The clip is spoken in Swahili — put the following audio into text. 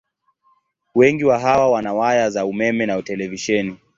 Wengi wa hawa wana waya za umeme na televisheni.